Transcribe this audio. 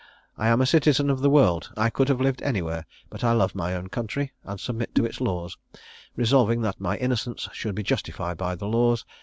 I am a citizen of the world; I could have lived anywhere: but I love my own country, and submit to its laws, resolving that my innocence should be justified by the laws.